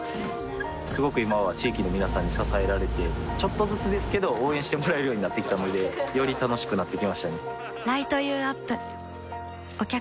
すごく今は地域の皆さんに支えられてちょっとずつですけど応援してもらえるようになってきたのでより楽しくなってきましたね